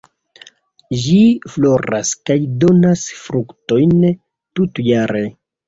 Ĝi floras kaj donas fruktojn tutjare.